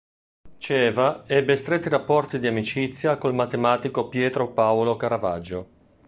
Ceva ebbe stretti rapporti di amicizia col matematico Pietro Paolo Caravaggio.